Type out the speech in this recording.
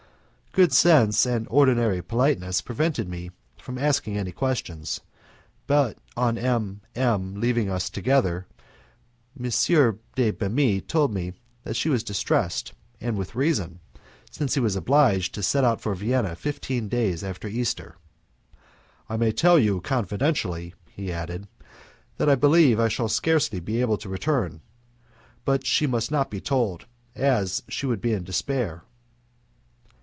Good sense and ordinary politeness prevented me from asking any questions, but on M M leaving us together, M. de Bemis told me that she was distressed, and with reason, since he was obliged to set out for Vienna fifteen days after Easter. "I may tell you confidentially," he added, "that I believe I shall scarcely be able to return, but she must not be told, as she would be in despair."